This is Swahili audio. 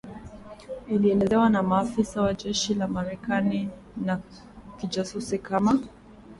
ilielezewa na maafisa wa jeshi la Marekani na kijasusi kama